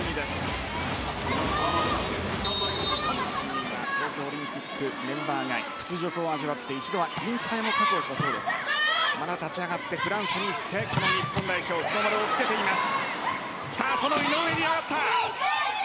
井上は東京オリンピックメンバー外屈辱を味わって一度は引退を覚悟したそうですがまた立ち上がってフランスに行って日本代表、日の丸をつけています。